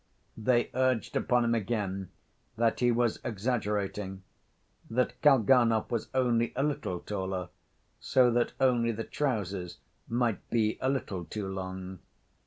They urged upon him again that he was exaggerating, that Kalganov was only a little taller, so that only the trousers might be a little too long.